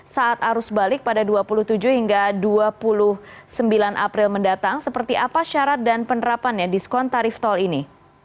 saat arus balik pada dua puluh tujuh hingga dua puluh sembilan april mendatang seperti apa syarat dan penerapannya diskon tarif tol ini